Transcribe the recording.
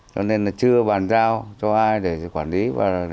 cho nên là chưa bàn giao cho ai để quản lý và vận hành nhà máy để cấp nước cho nhân dân